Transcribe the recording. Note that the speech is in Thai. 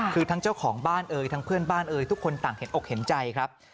คือทั้งเจ้าของบ้านเอ่ยทั้งเพื่อนบ้านเอ่ยทุกคนต่างเห็นอกเห็นใจครับ